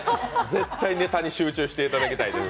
絶対ネタに集中していただきたいという。